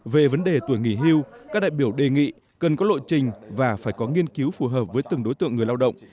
về vấn đề tuổi nghỉ hưu các đại biểu đề nghị cần có lộ trình và phải có nghiên cứu phù hợp với từng đối tượng người lao động